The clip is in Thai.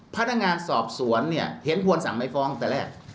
พนักงานสอบสวนเนี่ยเห็นควรสั่งไม่ฟ้องแต่แรก